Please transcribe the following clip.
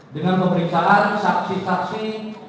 dengan pemeriksaan saksi saksi